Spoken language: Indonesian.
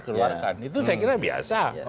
keluarkan itu saya kira biasa